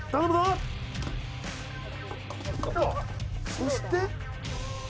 そして」